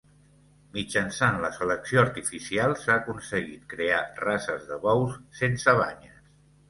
Mitjançant la selecció artificial s'ha aconseguit crear races de bous sense banyes.